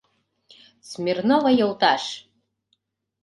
Смирнова йолташ.